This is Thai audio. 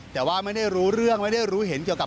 แต่ว่าไม่ได้รู้เรื่องไม่ได้รู้เห็นเกี่ยวกับ